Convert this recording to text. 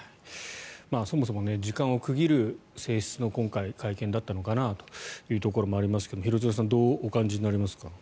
そもそも今回時間を区切る性質の会見だったのかなというところもありますけれど廣津留さんどうお感じになりますか。